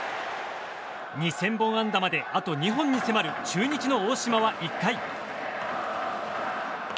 ２０００本安打まであと２本に迫る中日の大島は１回。